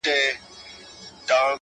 o چي زه تورنه ته تورن سې گرانه ـ